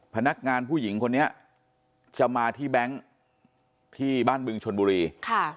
พนักงานผู้หญิงคนนี้จะมาที่แบงค์ที่บ้านบึงชนบุรีค่ะ